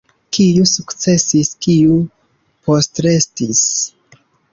Kiu sukcesis, kiu postrestis?